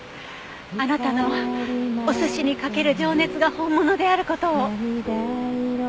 あなたのお寿司にかける情熱が本物である事を。